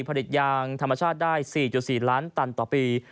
ผลิตยางธรรมชาติได้๔๔ล้านตันต่อปี